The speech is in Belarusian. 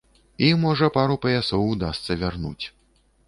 І можа пару паясоў удасца вярнуць.